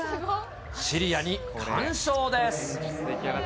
シリアに完勝です。